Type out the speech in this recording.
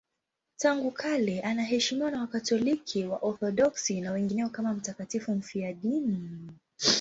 Tangu kale anaheshimiwa na Wakatoliki, Waorthodoksi na wengineo kama mtakatifu mfiadini.